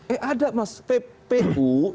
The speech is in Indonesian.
eh ada mas pppu